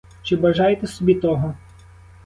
Чи бажаєте собі того?